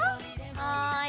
はい。